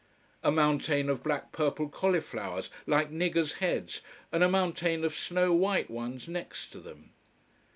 A mountain of black purple cauliflowers, like niggers' heads, and a mountain of snow white ones next to them.